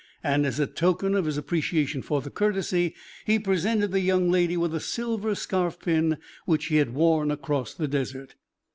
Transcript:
And, as a token of his appreciation for the courtesy, he presented the young lady with a silver scarf pin which he had worn across the desert.